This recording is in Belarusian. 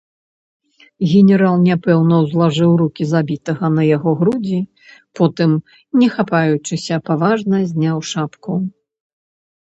Генерал няпэўна ўзлажыў рукі забітага на яго грудзі, потым, не хапаючыся, паважна зняў шапку.